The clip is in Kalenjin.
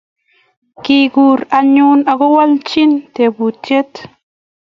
Ki kuur anyun ak kowalji teputiet